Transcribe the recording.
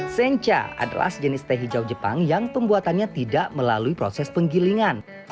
sencha adalah sejenis teh hijau jepang yang pembuatannya tidak melalui proses penggilingan